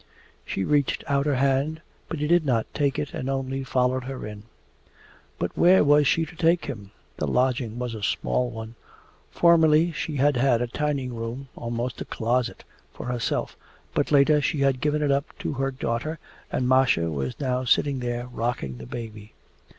She reached out her hand, but he did not take it and only followed her in. But where was she to take him? The lodging was a small one. Formerly she had had a tiny room, almost a closet, for herself, but later she had given it up to her daughter, and Masha was now sitting there rocking the baby.